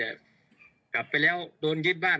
แต่กลับไปแล้วโดนยึดบ้าน